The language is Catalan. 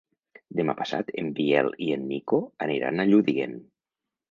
Demà passat en Biel i en Nico aniran a Lludient.